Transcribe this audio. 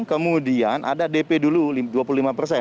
kemudian ada dp dulu dua puluh lima persen